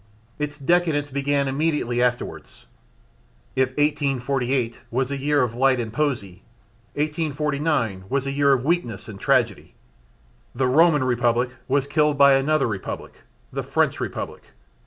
Its decadence began immediately afterwards. If 1848 was a year of light and poesy, 1849 was a year of weakness and tragedy. The Roman Republic was killed by another Republic, the French Republic.